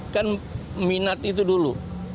kan minat itu dulu